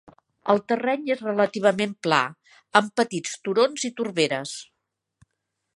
El terreny és relativament pla, amb petits turons i torberes.